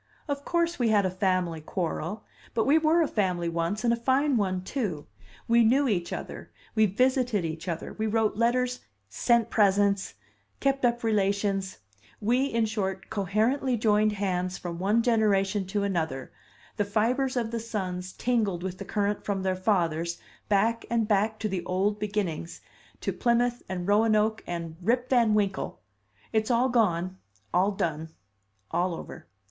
"Of course, we had a family quarrel. But we were a family once, and a fine one, too! We knew each other, we visited each other, we wrote letters, sent presents, kept up relations; we, in short, coherently joined hands from one generation to another; the fibres of the sons tingled with the current from their fathers, back and back to the old beginnings, to Plymouth and Roanoke and Rip Van Winkle! It's all gone, all done, all over.